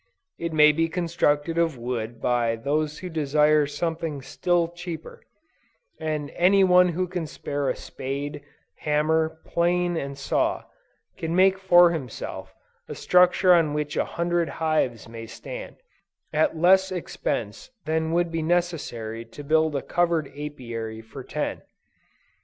It may be constructed of wood by those who desire something still cheaper, and any one who can handle a spade, hammer, plane and saw, can make for himself a structure on which a hundred hives may stand, at less expense than would be necessary to build a covered Apiary for ten.